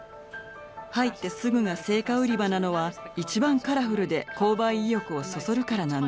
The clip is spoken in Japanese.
入ってすぐが青果売り場なのは一番カラフルで購買意欲をそそるからなんです。